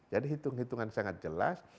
jadi hitung hitungan sangat jelas